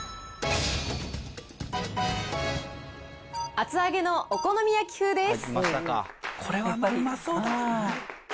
厚揚げのお好み焼き風です。